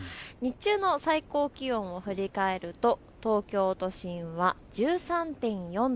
日中の最高気温を振り返ると、東京都心は１３．４度。